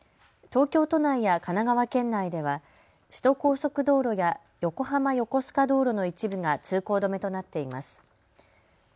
東京都内や神奈川県内では首都高速道路や横浜横須賀道路の一部が通行止めとなっています。